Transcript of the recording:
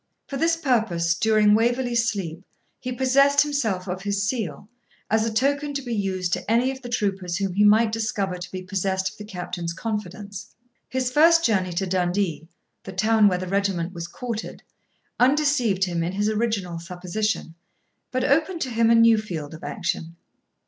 For this purpose during Waverley's sleep he possessed himself of his seal, as a token to be used to any of the troopers whom he might discover to be possessed of the captain's confidence. His first journey to Dundee, the town where the regiment was quartered, undeceived him in his original supposition, but opened to him a new field of action.